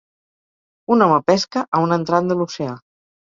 Un home pesca a un entrant de l'oceà